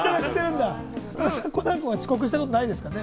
コナン君は遅刻したことないですかね？